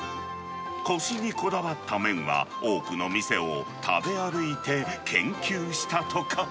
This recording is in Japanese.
こしにこだわった麺は、多くの店を食べ歩いて研究したとか。